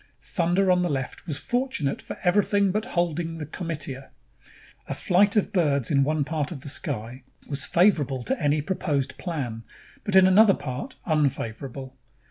Thunder on the left was fortunate for everything but holding the comitia. A flight of birds in one part of the sky was favorable to any proposed plan, but in another part, unfavorable.